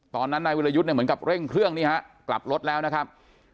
ตอนนั้นนายวิรยุทธ์เนี่ยเหมือนกับเร่งเครื่องนี่ฮะกลับรถแล้วนะครับ